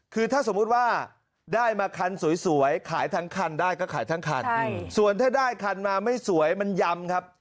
คือถ้าสมมุติว่าได้มาคันสวยขายทั้งคันได้ก็ขายทั้งคันส่วนถ้าได้คันมาไม่สวยมันยำครับ